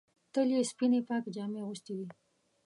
تل یې سپینې پاکې جامې اغوستې وې.